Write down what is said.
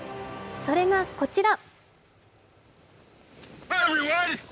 それがこちら。